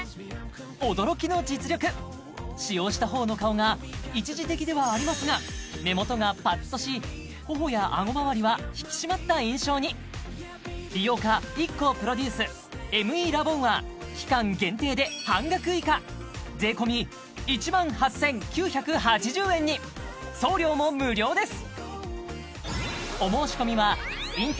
驚きの実力使用したほうの顔が一時的ではありますが目元がパッとし頬やアゴまわりは引き締まった印象に美容家ＩＫＫＯプロデュースＭＥラボンは期間限定で半額以下税込１８９８０円に送料も無料です